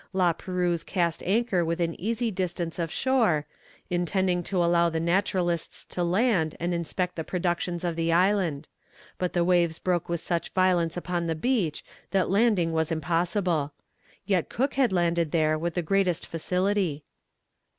La Perouse cast anchor within easy distance of shore, intending to allow the naturalists to land, and inspect the productions of the island; but the waves broke with such violence upon the beach that landing was impossible. Yet Cook had landed there with the greatest facility.